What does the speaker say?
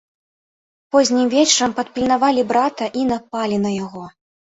Познім вечарам падпільнавалі брата і напалі на яго.